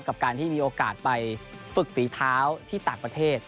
กับการที่มีโอกาสไปฝึกฝีเท้าที่ต่างประเทศ